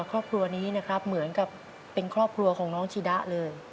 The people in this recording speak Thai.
ครอบครัวนี้นะครับเหมือนกับเป็นครอบครัวของน้องจีดะเลย